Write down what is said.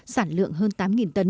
sản lượng hơn tám tấn